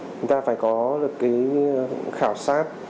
chúng ta phải có được khảo sát